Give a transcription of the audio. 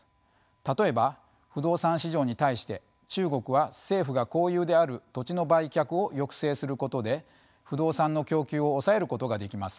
例えば不動産市場に対して中国は政府が公有である土地の売却を抑制することで不動産の供給を抑えることができます。